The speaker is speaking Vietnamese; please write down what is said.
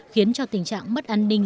khiến cho tình trạng mất an ninh